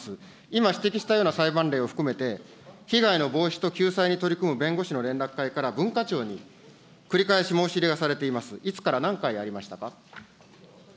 今指摘したような裁判例も含めて、被害の防止と救済に弁護士の連絡会から文化庁に繰り返し申し入れがされています。